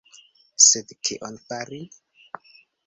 Sed kion fari?!